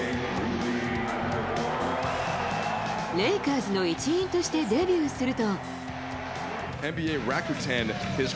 レイカーズの一員としてデビューすると。